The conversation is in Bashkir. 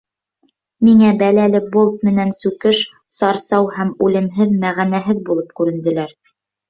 Миңә бәләле болт менән сүкеш, сарсау һәм үлем мәғәнәһеҙ булып күренделәр.